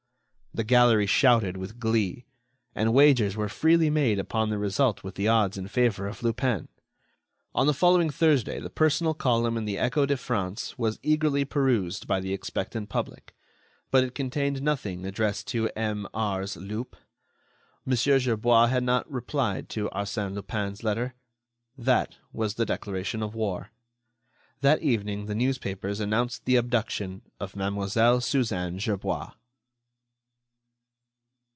The gallery shouted with glee; and wagers were freely made upon the result with the odds in favor of Lupin. On the following Thursday the personal column in the Echo de France was eagerly perused by the expectant public, but it contained nothing addressed to M. Ars. Lup. Mon. Gerbois had not replied to Arsène Lupin's letter. That was the declaration of war. That evening the newspapers announced the abduction of Mlle. Suzanne Gerbois.